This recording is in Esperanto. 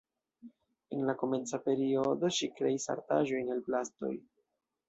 En la komenca periodo ŝi kreis artaĵojn el plastoj.